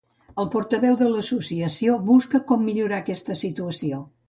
El portaveu de l'associació busca com millorar aquesta situació.